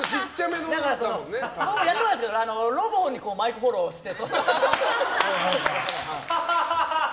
やってたんですけどロボにマイクフォローして。